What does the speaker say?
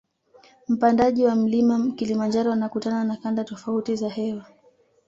Mpandaji wa mlima kilimanjaro anakutana na kanda tofauti za hewa